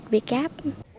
chặt việt gáp